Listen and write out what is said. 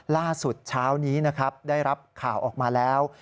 เช้านี้นะครับได้รับข่าวออกมาแล้ว